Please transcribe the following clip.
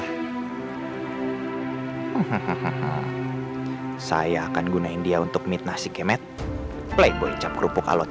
hehehe saya akan gunain dia untuk mitnah si kemet playboy cap kerupuk alat itu